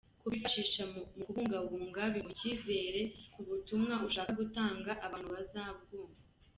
Kubifashisha mu bukangurambaga biguha icyizere ko ubutumwa ushaka gutanga abantu bazabwumva.